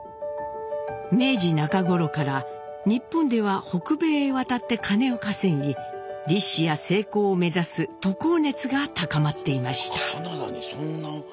明治中頃から日本では北米へ渡って金を稼ぎ立志や成功を目指す渡航熱が高まっていました。